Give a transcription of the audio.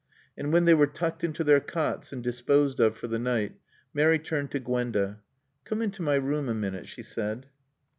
And when they were tucked into their cots and disposed of for the night Mary turned to Gwenda. "Come into my room a minute," she said.